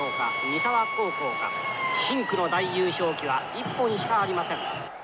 深紅の大優勝旗は一本しかありません。